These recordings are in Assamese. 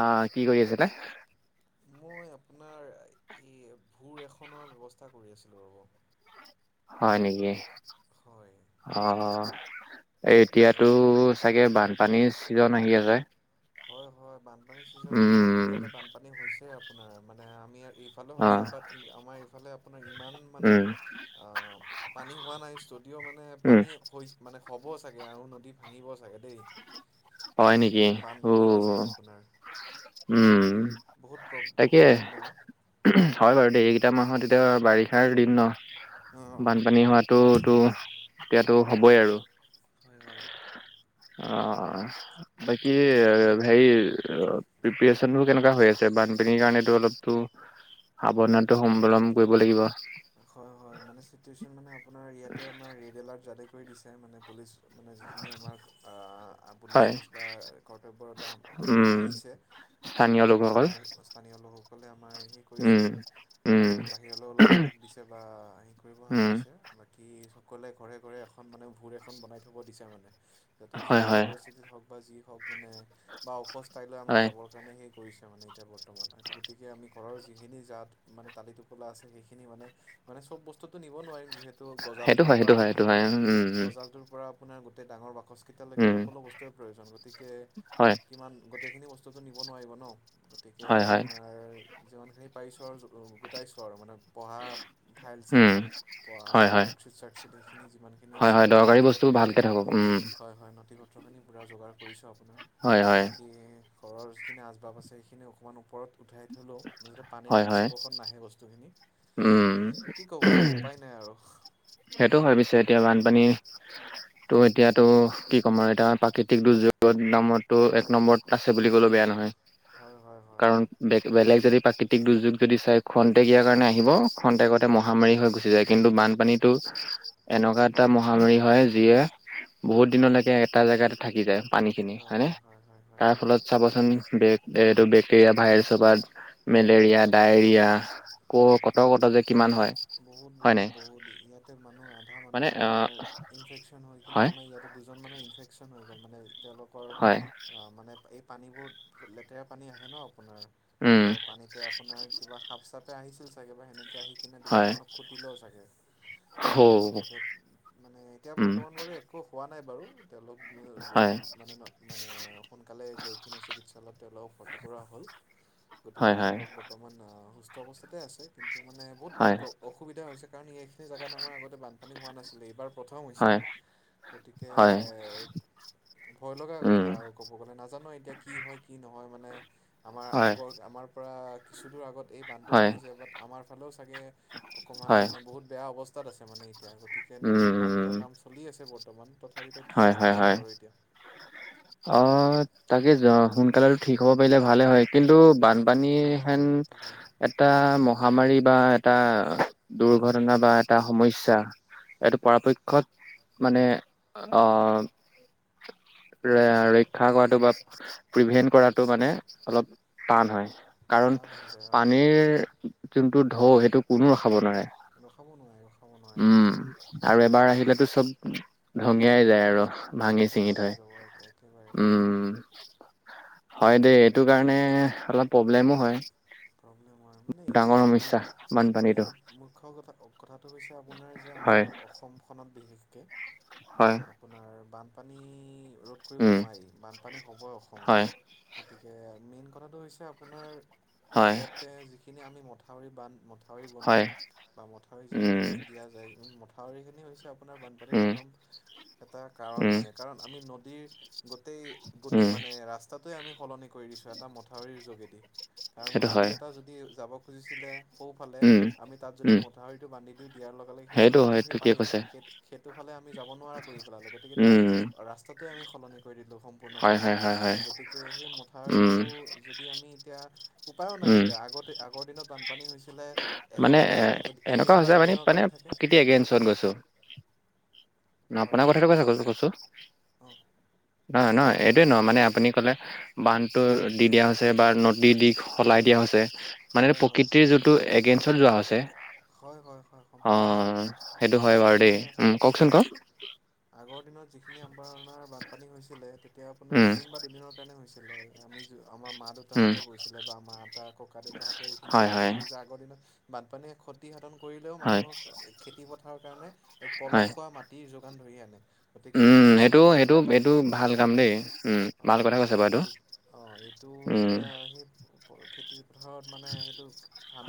অ' একো কি নাই কৰি আছে তাই মই আপোনাৰ এই ভোৰ এখনৰ ব্যৱস্থা কৰি আছিলোঁ ৰ'ব। হয় নেকি? হয় অ' অ'। মানে এতিয়াতো চাগে বানপানীৰ ছিজন আহি আছে। বানপানী চিজন মানে আমাৰ উম ইয়াতে বানপানী হৈছে আপোনাৰ মানে আমি ইয়াত এইফালে অ হৈছে বাট আমাৰ এইফালে আপোনাৰ ইমান মানে উম পানী হোৱা নাই ষ্ট যদিও মানে উম পানী হৈজ মানে হব ব চাগে আৰু নদী ভাঙিব চাগে দেই, হয় মানে নেকি বান্ধ অ ভাঙিব চাগে আপোনাৰ, উম বহুত প্ৰ তাকে বহুত প্ৰব্লেম অ হয় বাৰু দেই এইকেইটা মাহত এতিয়া বাৰিষাৰ দিন ন, বানপানী হোৱাটো টো এতিয়াতো হ'বই আৰু। হয় হয় অ বাকি আপুনি মানে আপোনাৰ সেই প্ৰিপেচনোৰ কেনেকা হৈ আছে বানপানীৰ কাৰণেটো অলপতো সাৱধানটো সম্বলম কৰিব লাগিব। হয় হয় মানে ছিটৱেচন মানে আপোনাৰ ইয়াতে আপোনাৰ ইয়াতে আমাৰ ৰেড এলাৰ্ট জাৰি কৰি দিছে মানে পুলিচ মানে যিখিনি আমাৰ আ পুলিছ হয় চুলিছ বা কৰ্তব্যৰত মানে উম আহিছে স্থানীয় লোকসকল সকলে আমাৰ সি উম কৰিছে, উম আপোনাৰ বাহিৰলৈ ওলাব দিছে বা হি কৰিব হাত উম, দিছে বাকীৰ সকলে ঘৰে ঘৰে এখন মানে ভোৰ এখন বনাই থ'ব দিছে মানে যাতে হয়, যিকোনো হয়, পৰিস্থিতিত হওক বা যি হওক মানে বা ওখ ষ্ঠাইলৈ আমাক হয়। যাবৰ কাৰণে সেই কৰিছে মানে এতিয়া বৰ্তমান হয়তো গতিকে আমি ঘৰৰ যিখিনি জাত মানে তালি টোপোলা আছে সেইখ খিনি মানে মানে চব বস্তুতটো নিব নোৱাৰিম যিহেতু সেইটো গজাটোৰ হয়, পৰা সেইটো হয়, সেইটো হয়। উম, উম, গজালটোৰ পৰা আপোনাৰ গোটেই ডাঙৰ বাকচ কেতিয়ালৈকে উম, সকলো বস্তুৱে প্ৰয়োজন গতিকে হয়, কিমান গোটেইখিনি বস্তুটো নিব নোৱাৰিব ন। ‌ গতিকে হয়, হয়, আপোনাৰ যিমানখিনি পাৰিছো আৰু গোটাইছো আৰু মানে পঢ়া ফাইল চাইল উম, হয়, প হয়। মাৰ্কশ্বিট চাৰ্কশ্বিট এইখিনি যিমানখিনি হয়, আছে হয়, ন দৰকাৰী নদীসত বস্তু ভালকে নদীত থাকক। উম, হয় হয় নথি পত্ৰখিনি পূৰা যোগাৰ কৰিছো আপোনাৰ হয়, হয়, বাকী ঘৰৰ যিখিনি আচবাব আছে সেইখিনি অকণমান ওপৰত উঠাই থ'লো তাছতে পানীৰ হয়, হয়, সংস্পৰ্শত নাহে বস্তুখিনি। উম। কি ক'ব আৰু উপায় নাই আৰু সেইটো হয়, পিছে এতিয়া বানপানী টো, এতিয়াতো কি ক'ম, আৰু এতিয়া প্ৰাকৃতিক দুৰ্যোগত [unintelligible] এক নম্বৰত আছে বুলি ক'লেয়ো বেয়া নহয়। হয় হয় হয় কাৰণ বে-বেলেগ যদি প্ৰাকৃতিক দুৰ্যোগ যদি চাই খন্তেকিয়া দিয়াৰ কাৰণে আহিব। খন্তেকতে হয় হয় মহামাৰী হৈ গুচি যায়, কিন্তু বানপানীত টো, এনেকুৱা এটা মহামাৰী হয়, যিয়ে বহুত দিনলকে এটা জেগাতে থাকি যায়। পানীখিনি হয় হয়নে? হয় হয় হয় তাৰ ফলত চাবচোন বে এইটো বেক্টেৰিয়া ভাইৰাছৰ পৰা মেলেৰিয়া, ডায়েৰিয়া। ক হয় কত কত যে কিমান হয় বহুত হয় না বহুত নাই? বহুত ইয়াতে মানুহ আধা মানুহ মানে আপোনাৰ আহ ইনফেকশ্যন হৈ কিনে হয় আমাৰ ইয়াতে দুজনমানৰ ইনফেকশ্যন হৈ গ'ল মানে। তেওঁলোকৰ হয় মানে এই পানীবোৰ লেতেৰা পানী আহে ন। আপোনাৰ উম ত' পানীতে আপোনাৰ কিবা সাপ চাপে আহিছিল চাগে বা সেনেকে। আহি কিনে হয় দুজনমানক খুটিলেও চাগে। ত হৌ তেখেত মানে এতিয়া উম বৰ্তমান বাৰু একো হোৱা নাই বাৰু, তেওঁলোক হয় মানে মানে সোনকালে গৈ কিনে চিকিৎসালয়ত তেওঁলেকক ভৰ্তি কৰা হ'ল গতিকে হয় হয় তেওঁলোক বৰ্তমান সুস্থ অৱস্থাতে আছে। তো মানে বহুত হয় প্ৰ অসুবিধা হৈছে কাৰণ এইখিনি জেগাত আমাৰ আগতে বানপানী হোৱা নাছিলে এইবাৰ প্ৰথম হৈছে হয় গতিকে হয় ভয় লগা কথা উম আৰু ক'ব গ'লে নাজানো এ এতিয়া কি হয় কি নহয় মানে আমাৰ হয় আগৰ আমাৰ পৰা কিছু দূৰ আগত এই বান হয় ভাঙি যাব আমাৰ ফালেও চাগে অকণমান হয় মানে বহুত বেয়া অৱস্থাত আছে মানে। এতিয়া গতিকে নদীৰ বান্ধৰ উম কাম চলি আছে বৰ্তমান তথাপিতো কি হয়- হয়- নাজানো হয়- বাৰু এতিয়া অ' তাকে য সোনকালেতো ঠিক হ'ব পাৰিলে ভালে হয়। কিন্তু ভাল হয় বানপানী অঁ হেন তাকে এটা মহামাৰী বা এটা দুৰ্ঘটনা বা এটা সমস্যা এইটো পৰাপক্ষত মানে অ' [unintelligible] এ ৰক্ষা কৰাটো বা প্ৰিভেন্ট কৰাটো মানে অলপ টান হয়। কাৰণ টান হৈ যায় অঁ পানীৰ যোনটো ঢৌ সেইটো কোনোও ৰখাব নোৱাৰে। ৰখাব নোৱাৰে ৰখাব নোৱাৰে উম আৰু এবাৰ আহিলেতো চব ধঙিয়াই যায় ধ্বংস আৰু ভাঙি ধ্বংস চিঙি কৰি থৈ থয়। যাব একে একেবাৰে উম। হয় দেই এইটো কাৰণে অলপ প্ৰব্লেমো হয়। এতিয়া ডাঙৰ মান সমস্যা মেইন বানপানীটো মেইন মুখ্য কথা-কথাটো হৈছে আপোনাৰ যে, আমাৰ হয় অসমখনত বিশেষ এ, হয় আপোনাৰ বানপানী ৰোধ কৰিব উম নোৱাৰি, বানপানী হ'বই হয় অসমত [unintelligible] এ, মেইন কথাটো হৈছে আপোনাৰ হয় ইয়াতে যিখিনি আমি মথাউৰি বান [unintelligible] মথাউৰি বনাওঁ হয় বা মথাউৰি যিখিনি উম আমি দিয়া যায় মথাউৰিখিনি হৈছ আপোনাৰ বানপানীৰ উম প্ৰথম এটা কাৰণ উম মানে, কাৰণ আমি নদীৰ গোটেই গোট উম মানে ৰাস্তাটোৱে আমি সলনি কৰি দিছোঁ এটা মথাউৰিৰ যোগেদি। কাৰণ সেইটো নদী হয়। এটা যদি যাব খুজিছিলে সৌফালে উম আমি তাত যদি উম মথাউৰিটো বান্ধি দিওঁ দিয়াৰ লগে, লগে সেই সেইটো নদীটো হয় সেই ঠিকে পানী কৈছে সেই-সেইটো ফালে আমি যাব নোৱাৰা কৰি পেলালে গতিকে তাৰ উম ৰাস্তাত টোৱে আমি সলনি কৰি দিলোঁ সম সম্পূৰ্ণ হয় ভাবে, হয় হয় হয় গতিকে সেই উম মথাউৰিটো যদি আমি এতিয়া তাও নাই উম এতিয়া আগতে আগৰ দিনত বান বান পানী মানে এ হৈছিলে এনেকুৱা এদিন বা হৈছে মানে দুইদিনৰ মানে কাৰণ থাকে [inaudible] প্ৰকৃতি এগেইনষ্টত গৈছো ন হয় আপোনাৰ হয় কথাটো কৈছ ক কছো অঁ নহয়-নহয়, এইটোৱে নহয় মানে আপুনি ক'লে বান্ধটো দি দিয়া হৈছে বা নদী দি সলাই দিয়া হৈছে। মানেটো হয় হয় প্ৰকৃতিৰ হয় যিটো এগেইনষ্টত যোৱা হৈছে। হয় হয় হয় সম্পূৰ্ণভাৱে অ' সেইটো হয় বাৰু দেই উম, কওকচোন কওক? আগৰ দিনত যিখিনি আমাৰ বানপানী হৈছিলে। এতিয়া আপোনাৰ উম এদিন বা দুদিনৰ কাৰণে হৈছিলে আমি যোৱা আমাৰ মা উম দেউতাহতে গৈছিলে বা আমাৰ আটা ককা দেউতাহঁতে এইখিনি হয় কথা হয় কৈছিলে যে আগৰ দিনত, বানপানীয়ে ক্ষতি সাধন কৰিলেও হয় মানুহৰ খেতি পথাৰৰ কাৰণে এক হয় পলস হোৱা মাটিৰ ধৰি আনে। গতিকে উম, নেক্সট টাইম সেইটো-সেইটো যেতিয়া তাত এইটো ভাল কাম দেই উম, ভাল কথা কৈছ বাৰু এইটো। সেইটো উম যেতিয়া সেই খেতি পথাৰত মানে সেইটো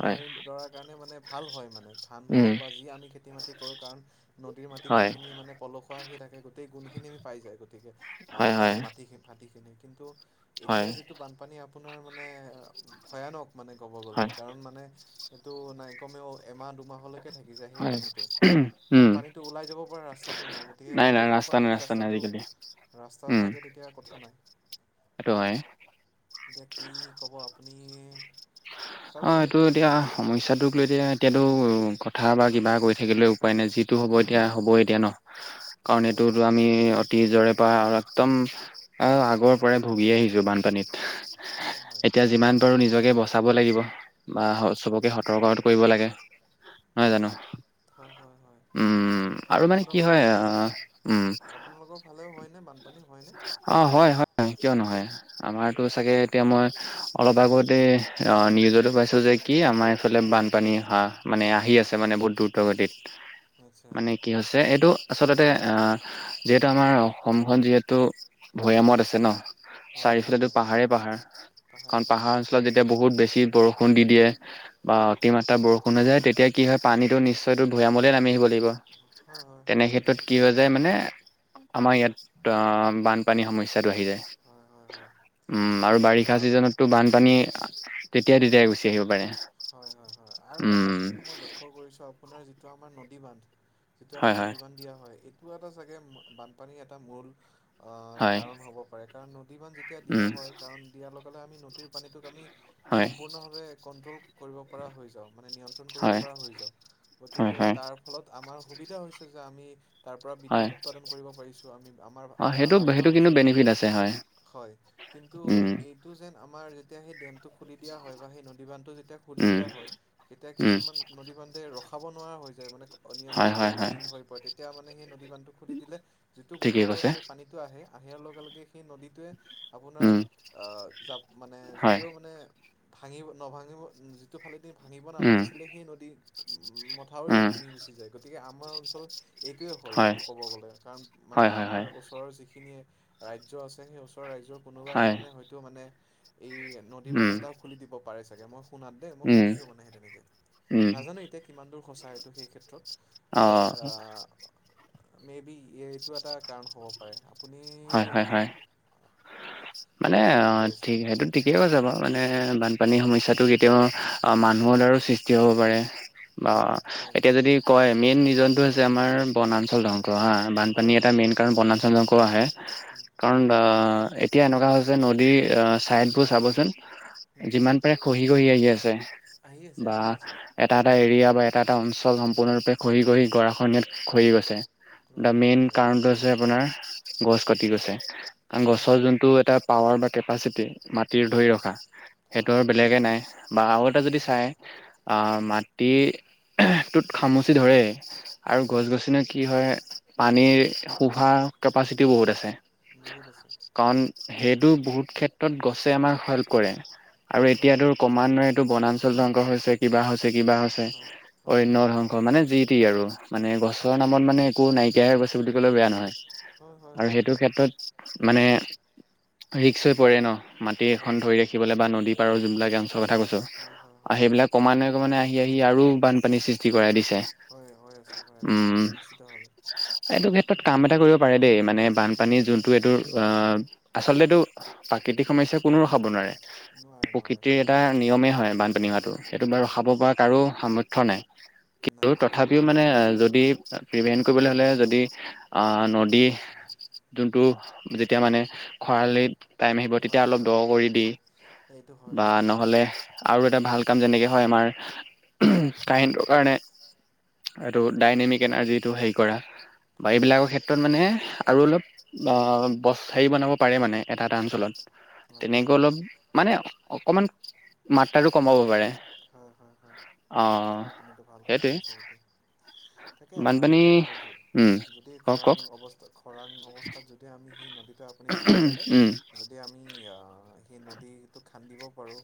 হয় দৰাৰ কাৰণে মানে ভাল হয় মানে ধান উম হওক বা যি আমি খেতি বাতি কৰো কাৰণ নদীৰ মাটিত হয় যিখিনি মানে পলস খোৱা আহি থাকে গোটেই গুণখিনি আমি পাই যায় গতিকে হয় আমাৰ হয় মাটি মাটিখিনি কিন্তু হয় এতিয়া যিটো বানপানী আপোনাৰ মানে ভয়ানক। মানে ক'ব গ'লে হয় কাৰণ মানে এইটো নাই কমেও এমাহ দু দুমাহলৈকে থাকি যায় সেই হয়। পানীটো কাৰণ উম, পানীটো ওলাই যাব পৰা ৰাস্ত ৰাস্তটো নাই গতিকে নাই ওলাই যাব ৰাস্তা পাৰ নাই যদি ৰাস্তা নাই ৰাস্তাটো আজিকালি। ৰাস্তা উম, থাকে তেতিয়া কথা নাই। সেইটো হয়। এতিয়া কি ক'ব আপুনি? অ' চাওকচোন এইটো এতিয়া কি সমস্যাটোক লৈ এতিয়া এতিয়াতো কথা বা কিবা কৰি কৈ থাকিলে উপায় নাই যিটো হ'ব এতিয়া হ'বই এতিয়া ন। কাৰণ হয় এইটোটো হয় আমি অতিজৰে আৰু একদম আগৰ পৰাই ভুগি আহিছো বানপানীত। হয় হয় এতিয়া যিমান পাৰো নিজকে বচাব লাগিব বা চবকে তাকে সতৰ্ক কৰিব লাগে নহয় জানো। হয় হয় হয় উম, আৰু মানে কি আপোনালোকৰ হয় আ', আপোনালোকৰ ফালেও হয়নে বান অ' হয়-হয় কিয় নহয়। আমাৰতো চাগে এতিয়া মই অলপ আগতে অ' নিউজতো পাইছো যে কি আমাৰফাল বানপানী হাই মানে আহি আছে মানে বহুত দ্ৰুতগতিত। আচ্ছা মানে কি হৈছে এইটো আচলতে আহ যিহেতু আমাৰ অসমখন যিহেতু তো ভৈয়ামত আছে ন। হয় হয় চাৰিওফালেটো হয় পাহাৰেই পাহাৰ কাৰণ পাহাৰ অঞ্চলত যেতিয়া বহুত বেছি বৰষুণ দি দিয়ে। বা হয় অতিমাত্ৰা বৰষুণ হৈ যায় তেতিয়া কি হয় পানীটো নিশ্চয়তো ভূয়ামলে নামি আহিব লাগিব। হয় হয় হয় তেনে ক্ষেত্ৰত কি হয় নিশ্চিতভাৱে যায় মানে আমাৰ ইয়াত অ' বানপানীৰ সমস্যা টো আহি যায় হয় হয় হয় উম, আৰু বাৰিষা ছিজনততো বানপানী তেতিয়া-তেতিয়াই গুচি আহিব পাৰে। হয়-হয়-হয় আৰু এটা উম কথা মই লক্ষ্য কৰিছো আপোনাৰ যিটো আমাৰ নদী বান্ধ। যিটো আমি হয় হয় নদী বান্ধ দিয়া হয় এইটো এটা চাগে বানপানীৰ এটা মূল আহ, হয়। কাৰণ হ'ব পাৰে কাৰণ নদী মান যেতিয়া দিয়া উম হয় কাৰণ দিয়াৰ লগে-লগে আমি নদীৰ পানীটোক আমি, হয় সম্পূৰ্ণভাৱে কন্ট্ৰল কৰিব পৰা হৈ যাও। মানে নিয়ন্ত্ৰণ কৰিব হয় পৰা হৈ যাওঁ হয় গতিকে হয় তাৰ ফলত আমাৰ সুবিধা হৈছে যে আমি তাৰ পৰা হয় বিদ্যুৎ উৎপাদন কৰিব পাৰিছোঁ আমি অ সেইটো আমাৰ-আমাৰ সেইটো লাভালাভ কিন্তু হৈছে। বেনিফিট আছে হয় হয় কিন্তু উম এইটো যেন আমাৰ যেতিয়া সেই ডমটো খুলি দিয়া হয় বা সেই নদী বান্ধটো যেতিয়া খুলি উম দিয়া হয় তেতিয়া উম কিছুমান নদী বান্ধে ৰখাব নোৱাৰা হৈ যায় মানে। হয় অনিয়ন্ত্ৰণ হয় কৰি হয় হীন হৈ পৰে তেতিয়া মানে সেই নদী বান্ধটো খুলি দিলে যিটো ঠিকেই গতিবেগত কৈছে সেই পানীতটো আহে আহিয়াৰ লগে-লগে সেই নদীটোৱে, আপোনাৰ উম আঁ [unintelligible] মানে, হয় যদিও মানে, ভাঙিব, নভাঙিব, যিটো ফালেদি ভাঙিব উম নালাগিছিলে, সেই নদী মথাউৰিও উম ভাঙি গুচি যায়। গতিকে, আমাৰ অঞ্চল এইটোৱে হ'ল হয় মানে, ক'ব গ'লে। কাৰণ, হয় মানে হয় হয় আমাৰ ওচৰৰ যিখিনি ৰাজ্য আছে, সেই ওচৰৰ ৰাজ্যৰ, কোনোবা হয় এখনে হয়তো মানে, এই, নদী বান্ধ উম এটাও খুলি দিব পাৰে, চাগে! মই, শুনাত দেই। মই উম শুনিছোঁ মানে, সেই তেনেকে। উম নাজানোঁ এতিয়া, কিমান দূৰ সঁচা, এইটো সেই ক্ষেত্ৰত। অ'! মেইবি, এইটো এটা কাৰণ হ'ব পাৰে! আপুনি হয়, হয়, হয়! মানে, কওকচোন কৈ ঠিক আছিলে সেইটো, ঠিকেই কৈছে বাৰু। মানে, বানপানীৰ সমস্যাটো কেতিয়াবা, মানুহৰ দ্বাৰাও সৃষ্টি হ'ব পাৰে। বা উম, হয় এতিয়া যদি কয়, মেইন ৰিজনটো হৈছে, আমাৰ বনাঞ্চল ধ্বং হা! বানপানী হয় এটা হয় মেইন হয় কাৰণ, বনাঞ্চল ধ্বংস আহে। উম, কাৰণ, আঁ এতিয়া এনেকুৱা হৈছে, নদীৰ চাইডবোৰ চাবচোন? উম, যিমান পাৰে, খহি-খহি আহি আছে। আহি আছে বা আহি আছে এটা-এটা এৰিয়া বা এটা-এটা অঞ্চল সম্পূৰ্ণৰূপে, খহি-খহি গঢ়া- খহনীয়াত খহি গৈছে। দা হয় হয় মেইন হয় কাৰণটো হৈছে আপোনাৰ, গছ কাটি গৈছে। হয় হয় গছৰ হয় যোনটো এটা, পাৱাৰ বা কেপাচিটি মাটিৰ ধৰি হয় ৰখা। সেইটো হয় আৰু বেলেগে নাই। বা আৰু এটা নাই যদি নাই চাই! আঁ মা টি [unintelligible] টোত খামুচি ধৰে। আৰু হয় হয় গছ-গছনি কি হয়, পানীৰ শুহা কেপাচিটি বহুত আছে। বহুত আছে। কাৰণ সেইটো, বহুত ক্ষেত্ৰত, গছে আমাৰ হেল্প কৰে। আৰু হয় হয় এতিয়াতো, হয় ক্ৰমান্বয়েটো বনা অঞ্চল ধ্বংস হৈছে, কিবা হৈছে কিবা হৈছে, হয় হয় অৰণ্য হয় ধ্বংস মানে যি টি আৰু মানে গছৰ নামত মানে একো নাইকিয়া হৈ গছে বুলি কলে বেয়া নহয় হয় হয় হয় হয় আৰু সেইটো ক্ষেত্ৰত মানে ৰিক্স হৈ পৰে নহ, মাটি এখন হয় ধৰি ৰাখিবলৈ বা নদী পাৰৰ যোনবিলাক অঞ্চলৰ কথা কৈছো, হয় হয় হয় আৰু সেইবিলাক কমানে কমানে আহি আহি আৰু বানপানী সৃষ্টি কৰাই দিছে দে হয় হৈ আছে হৈ আছে উম, নিশ্চিতভাৱে এইটো ক্ষেত্ৰত কাম এটা কৰিব পাৰে দেই মানে বানপানী যোনটো এইটো, আচলতে এটো প্ৰাকৃতিক সমস্যা কোনো ৰখাব নোৱাৰে নোৱাৰে নোৱাৰে প্ৰকৃতিৰ এটা নিয়মেই হয় বানপানী হোৱাটো, সেইটো বা হয় ৰখাব হয় পৰা কাৰো সামৰ্থ নাই। কিন্তু নাই তথাপিও মানে যদি প্ৰিভীণ্ট কৰিবলৈ হলে যদি আহ নদী যোনটো যেতিয়া মানে উম খৰালিত টাইম আহিব তেতিয়া হয় অলপ হয় দহ হয় কৰি হয় দি এইটো হয় বা হয় দেই নহলে আৰু এটা ভাল কাম যেনেকে হয় আমাৰ, কাহিনীটোৰ কাৰণে এইটো ডাইনেমিক এনাৰ্জিটো হেৰি কৰা, বা হয় হয় এইবিলাকৰ ক্ষেত্ৰত মানে আৰু অলপ আহ বছাৰৰি বনাব পাৰে মানে, এটা এটা অঞ্চলত হয় তেনেকৈ হয় অলপ, মানে অকমান মাত্ৰাটো কমাব পাৰে। হয় হয় হয়, অ আপুনিটো ভাল কথা সেইটোৱে কৈছে সেইটো তাকে আমাৰ বানপানী এতিয়া, উম যদি কওক খৰাং কওক অৱস্থা খৰাং অৱস্থাত যদি আমি সেই নদিটো আপুনি যিটো কলে, উম যদি আমি সেই নদীটো খান্দিব পাৰোঁ,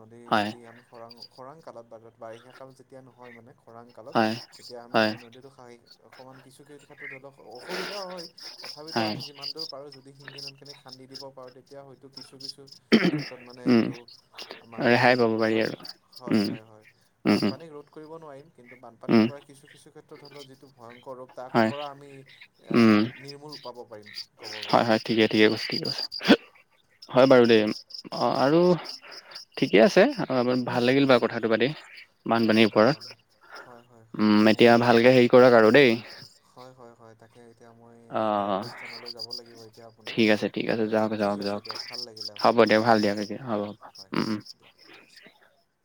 নদীৰ হয় যদি আমি খৰাং খৰাং কালত বা বাৰিষা কাল যেতিয়া নহয়, মানে খৰাং কালত হয় তেতিয়া আমি হয় যদি নদীটো খাঁহি অকণমান কিছুকে ধ অসুবিধাও হয়, তথাপিতো হয় আমি যিমান দূৰ পাৰো যদি শিংগী নদীখন খান্দি দিব পাৰোঁ। তেতিয়া হয়তো কিছু কিছু ক্ষেত্ৰত মানে উম এইটো আমাৰ ৰেহাই হেল্প পাব হ'ব পাৰি কাৰণ আৰু হয় উম হয় হয় উম উম বানপানীক ৰোধ কৰিব নোৱাৰিম কিন্তু উম বানপানীৰ পৰা কিছু কিছু ক্ষেত্ৰত হলেও যিটো ভয়ং কৰোঁতা হয় পৰা আমি উম অঁ নিৰ্মূল পাব পাৰিম কব হয় গলে। [inaudible] হয় ঠিকে ঠিকে কৈছে ঠিকে কৈছে হয় বাৰু দেই অ আৰু ঠিকে আছে। অ ভাল লাগিল হয় বাৰু হয় কথাটো হয় পাতি, তাকে বানপানীৰ তাকে আমি হয় হয় ওপৰত হয় উম মোৰো এতিয়া ভাল লাগিল ভালকে হে কৰক আৰু দেই। হয় হয় হয় তাকে। এতিয়া মই অ নিৰাপদ স্থানলৈ যাব লাগিব এতিয়া আপোনাৰ ঠিক আছে এতিয়া ঠিক আছে যাওক যাওক ঠিক আছে যাওক দিয়ক ভাল লাগিলে হ'ব আপোনাক। তলত দিয়ক ভাল কথা দিয়ক পাতিম এতিয়া হ'ব হ'ব হয় হয় উম উম। হয় দিয়ক ঠিক আছে।